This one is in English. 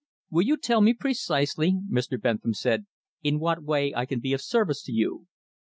"Will you tell me precisely," Mr. Bentham said, "in what way I can be of service to you?"